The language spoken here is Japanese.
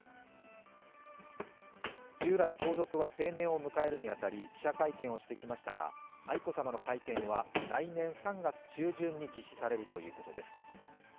従来皇族は成年を迎えるに当たり記者会見をしてきましたが愛子さまの会見は来年３月中旬に実施されるということです。